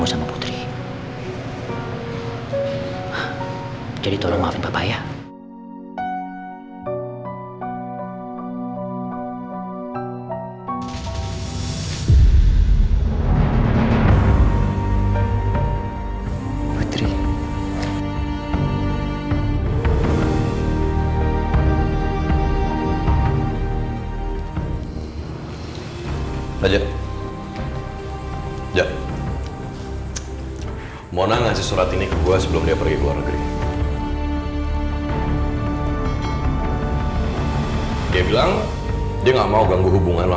sampai jumpa di video selanjutnya